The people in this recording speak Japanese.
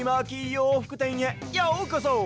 ようふくてんへようこそ！